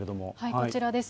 こちらです。